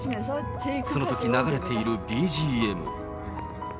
そのとき流れているＢＧＭ。